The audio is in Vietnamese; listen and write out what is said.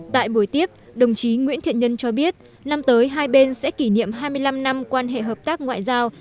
tại buổi tiếp đồng chí nguyễn thiện nhân cho biết năm tới hai bên sẽ kỷ niệm hai mươi năm năm quan hệ hợp tác ngoại giao